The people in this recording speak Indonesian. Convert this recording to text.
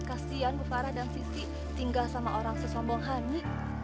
kasian ibu kara dan sisi tinggal sama orang sesombong hani